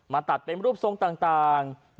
ตัดเป็นรูปทรงต่าง